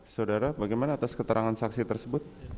saudara bagaimana atas keterangan saksi tersebut